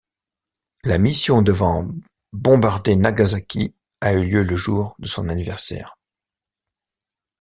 La mission devant bombarder Nagasaki a eu lieu le jour de son anniversaire.